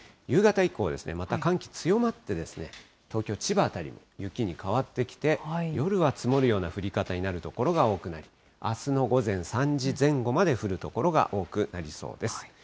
夕方以降、また寒気強まって、東京、千葉辺り、雪に変わってきて、夜は積もるような降り方になる所が多くなり、あすの午前３時前後まで降る所が多くなりそうです。